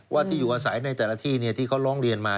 ที่อยู่อาศัยในแต่ละที่ที่เขาร้องเรียนมา